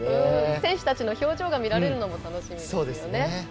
選手たちの表情が見られるのも楽しみですよね。